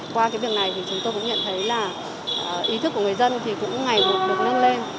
qua cái việc này thì chúng tôi cũng nhận thấy là ý thức của người dân thì cũng ngày buộc được nâng lên